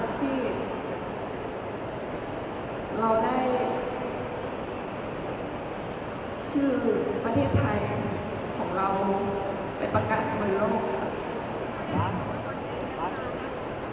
ที่เราได้ชื่อประเทศไทยของเราไปประกันบนโลกค่ะ